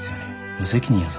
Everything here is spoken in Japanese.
無責任やぞ。